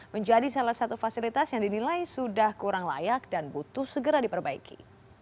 menjadi salah satu fasilitas yang dinilai sudah kurang layak dan butuh segera diperbaiki